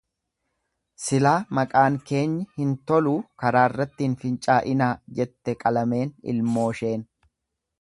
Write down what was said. """Silaa maqaan keenya hin toluu karaarratti hin finca'inaa"" jette qalameen ilmoosheen."